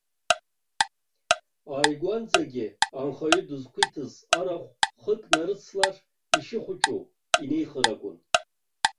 Ааигәанӡагьы анхаҩы дызқәиҭыз арахә хык нарыцлар, ишыхәыҷу инихыр акәын.